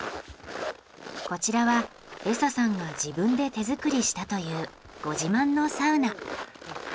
こちらはエサさんが自分で手作りしたというご自慢のサウナ。